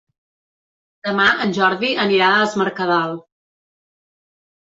Demà en Jordi anirà a Es Mercadal.